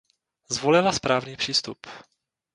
Zvolila správný přístup.